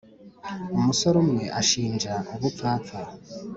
umusore umwe anshinja ubupfapfa